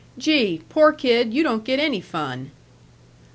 Gee! poor kid, you don't get any fun."